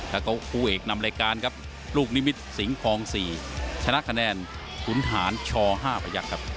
แล้วก็คู่เอกนำรายการครับลูกนิมิตสิงหอง๔ชนะคะแนนขุนหารช๕ประยักษ์ครับ